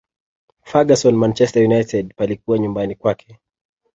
ferguson manchester united palikuwa nyumbani kwake